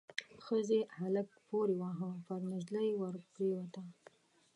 ښځې هلک پوري واهه، پر نجلۍ ور پريوته.